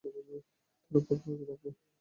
তার উপর নজর রাখবে।